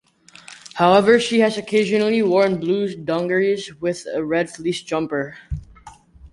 However, she has occasionally worn blue dungarees with a red fleece jumper.